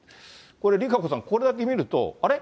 これ、ＲＩＫＡＣＯさん、これだけ見ると、あれ？